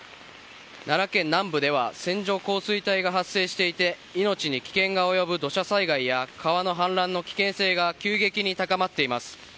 奈良県南部では線状降水帯が発生していて命に危険が及ぶ土砂災害や川の氾濫の危険性が急激に高まっています。